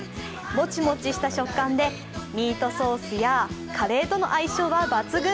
もちもちした食感でミートソースやカレーとの相性は抜群。